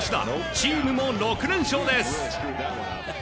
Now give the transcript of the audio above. チームも６連勝です。